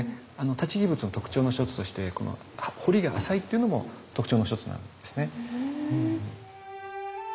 立木仏の特徴の一つとしてこの彫りが浅いっていうのも特徴の一つなんですね。